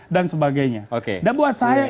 dan sebagainya dan buat saya